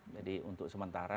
jadi untuk sementara